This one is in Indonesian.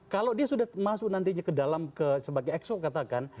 kalau dia sudah masuk nantinya ke dalam sebagai exo katakan